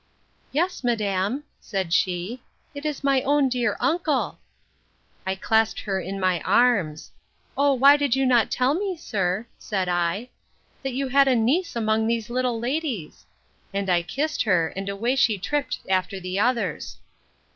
—Yes, madam, said she; it is my own dear uncle. I clasped her in my arms: O why did you not tell me, sir, said I, that you had a niece among these little ladies? And I kissed her, and away she tript after the others.